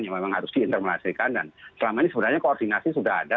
yang memang harus diintermulasikan dan selama ini sebenarnya koordinasi sudah ada